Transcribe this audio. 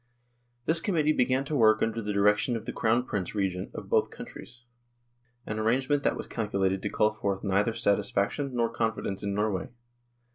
This Com mittee began to work under the direction of the Crown Prince Regent of both countries, an arrange ment that was calculated to call forth neither satis faction nor confidence in Norway.